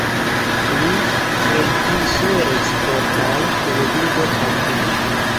Li reĝisoris por kaj televido kaj kino.